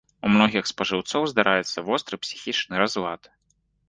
У многіх спажыўцоў здараецца востры псіхічны разлад.